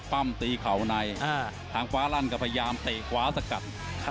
ปั้มตีเข่าในทางฟ้าลั่นก็พยายามเตะขวาสกัด